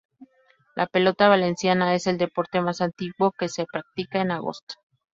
La pelota valenciana es el deporte más antiguo que se practica en Agost.